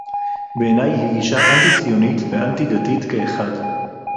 בעיני היא גישה אנטי-ציונית ואנטי-דתית כאחד